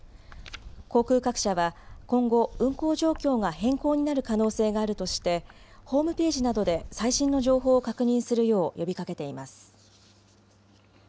航空各社は今後、運航状況が変更になる可能性があるとしてホームページなどで最新の情報を確認するよう呼びかけています。